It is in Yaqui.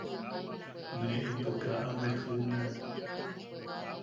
Ne into kaa amet juʼunean.